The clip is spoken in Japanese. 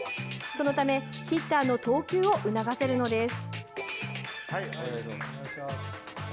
そのため、ヒッターの投球を促せるのです。